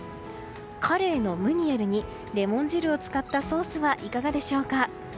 カレイのムニエルにレモン汁を使ったソースはいかがでしょうか。